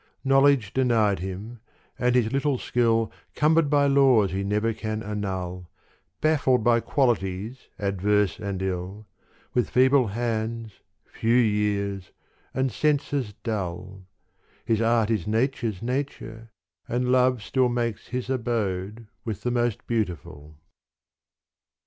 Knowledge denied him, and his little skill Cumbered by laws he never can annul, Baffled by qualities adverse and ill, With feeble hands, few years and senses dull, His art is nature's nature, and love still Makes his abode with the most beautiful.